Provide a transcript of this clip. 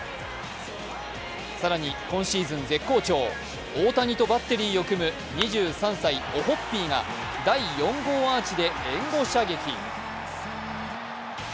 更に、今シーズン絶好調大谷とバッテリーを組む２３歳オホッピーが第４号アーチで援護射撃。